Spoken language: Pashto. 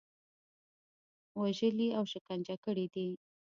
وژلي او شکنجه کړي دي.